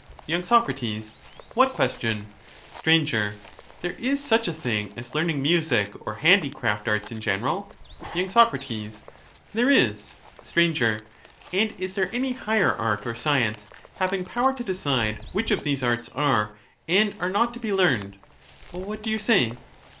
y. Soc. What question ? Str. There is such a thing as learning music or handicraft arts in general ? y. Soc. There is. Str. And is there any higher art or science, having power to decide which of these arts are and are not to be learned; — what do you say?